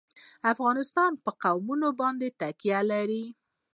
افغانستان په قومونه باندې تکیه لري.